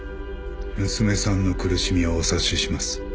娘さんの苦しみはお察しします。